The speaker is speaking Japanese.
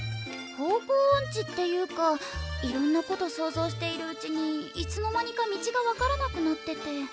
方向おんちっていうかいろんなこと想像しているうちにいつの間にか道が分からなくなってて。